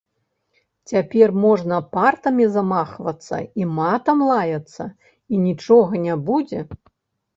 Цяпер можна партамі замахвацца і матам лаяцца, і нічога не будзе?